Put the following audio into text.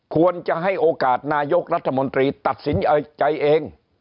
ควรจะให้โอกาสนายกรัฐมนตรีตัดสินใจเอง